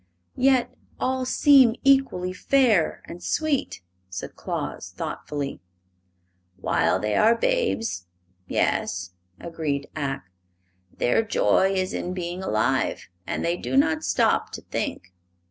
"Yet all seem equally fair and sweet," said Claus, thoughtfully. "While they are babes yes;" agreed Ak. "Their joy is in being alive, and they do not stop to think.